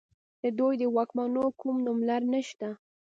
د دوی د واکمنو کوم نوملړ نشته